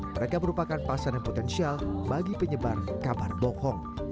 mereka merupakan pasangan potensial bagi penyebar kabar bohong